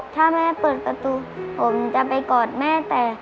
ถ้าแม่เปิดประตูผมจะไปกอดแม่แต่